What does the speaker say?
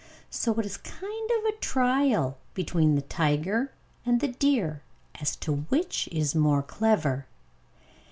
So it is a kind of trial between the tiger and the deer as to which is the more clever.